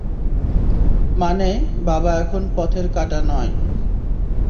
মানে, বাবা এখন পথের কাঁটা নয়।